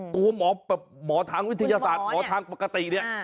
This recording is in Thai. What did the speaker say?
ตัวหมอแบบหมอทางวิทยาศาสตร์หมอทางปกติเนี่ย